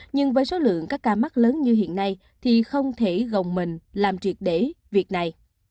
nhưng với số lượng các ca mắc lớn như hiện nay thì không thể gồng mình làm triệt để việc này